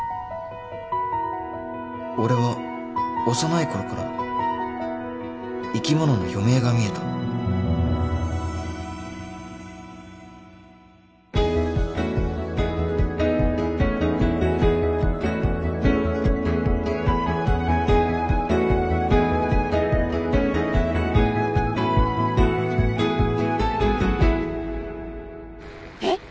俺は幼い頃から生きものの余命が見えたえっ！